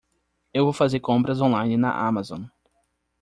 Eu vou fazer compras on-line na Amazon.